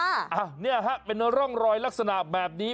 อ่ะเนี่ยฮะเป็นร่องรอยลักษณะแบบนี้